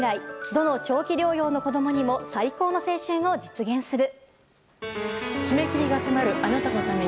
どの長期療養の子供にも最高の青春を実現する。